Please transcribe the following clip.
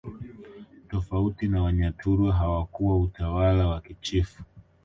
Tofauti na Wanyaturu hawakuwa utawala wa kichifu